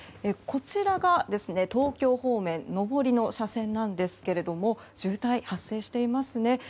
こちらが東京方面上りの車線なんですが渋滞が発生していますね。